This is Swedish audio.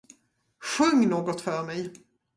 Sjung något för mig!